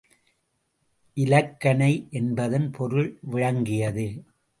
இலக்கணை என்பதன் பொருள் விளங்கியது.